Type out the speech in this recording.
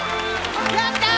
やったー！